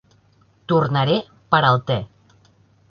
Tornaré per al te.